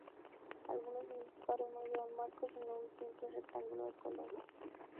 Algunos de sus cuadros no llevan marcos, sino un simple rectángulo de color.